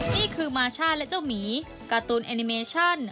นี่คือมาช่าและเจ้าหมีการ์ตูนแอนิเมชั่น